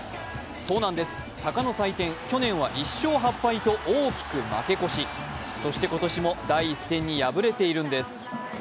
そうなんです、鷹の祭典、去年は１勝８敗と大きく負け越しそして今年も第１戦に敗れているんです。